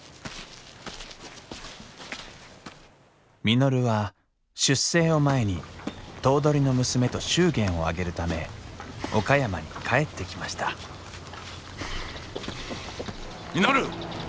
稔は出征を前に頭取の娘と祝言を挙げるため岡山に帰ってきました稔！